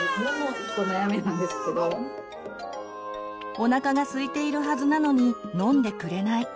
おなかがすいているはずなのに飲んでくれない。